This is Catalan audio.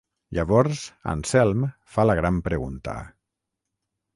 Llavors, Anselm fa la gran pregunta: